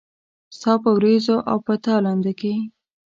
ستا په ورېځو او په تالنده کې